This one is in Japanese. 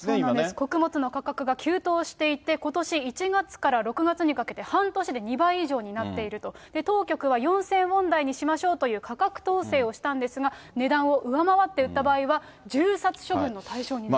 穀物の価格が急騰していて、ことし１月から６月にかけて、半年で２倍以上になっていると、当局は４０００ウォン台にしましょうという価格統制をしたんですが、値段を上回って売った場合は銃殺処分の対象になった。